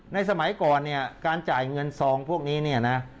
ในสมัยก่อนการจ่ายเงินทรองพวกนี้